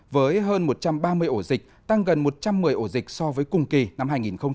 với hơn một trăm ba mươi ổ dịch tăng gần một trăm một mươi ổ dịch so với cùng kỳ năm hai nghìn một mươi chín